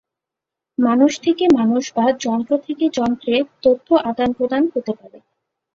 মানুষ থেকে মানুষ বা যন্ত্র থেকে যন্ত্রে তথ্য আদান প্রদান হতে পারে।